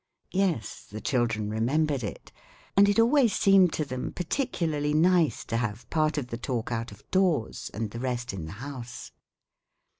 Yes, the children remembered it; and it always seemed to them particularly nice to have part of the talk out of doors and the rest in the house.